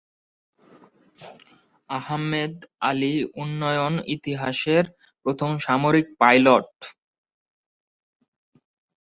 আহমেদ আলি উড্ডয়ন ইতিহাসের প্রথম সামরিক পাইলট।